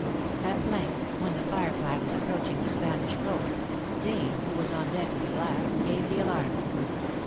At length, when The Firefly was approaching the Spanish coast, Dane, who was on deck with a glass, gave the alarm.